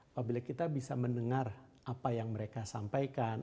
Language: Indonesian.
apabila kita bisa mendengar apa yang mereka sampaikan